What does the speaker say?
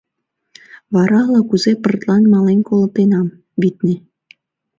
Вара ала-кузе пыртлан мален колтенам, витне.